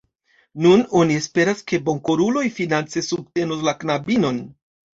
Nun oni esperas, ke bonkoruloj finance subtenos la knabinon.